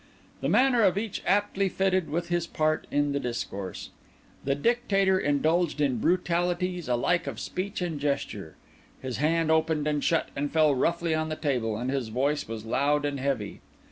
The manner of each aptly fitted with his part in the discourse. The Dictator indulged in brutalities alike of speech and gesture; his hand opened and shut and fell roughly on the table; and his voice was loud and heavy.